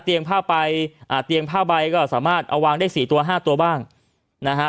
ผ้าใบอ่าเตียงผ้าใบก็สามารถเอาวางได้สี่ตัวห้าตัวบ้างนะฮะ